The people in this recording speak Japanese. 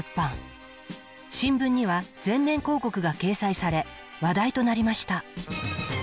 新聞には全面広告が掲載され話題となりました